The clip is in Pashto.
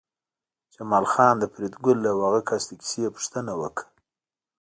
جمال خان د فریدګل او هغه کس د کیسې پوښتنه وکړه